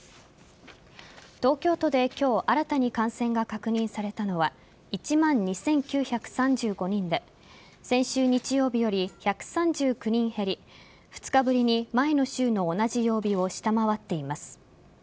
東京都で今日新たに感染が確認されたのは１万２９３５人で先週日曜日より１３９人減り２日ぶりに前の週の同じ曜日を下回っています。